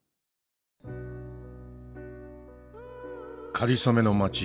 かりそめの街。